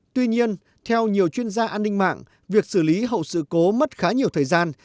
tuy nhiên theo nhiều chuyên gia an ninh mạng việc xử lý hậu sự cố mất khá nhiều thời gian